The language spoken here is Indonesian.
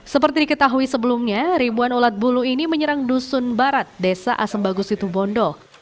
seperti diketahui sebelumnya ribuan ulat bulu ini menyerang dusun barat desa asembagus itubondo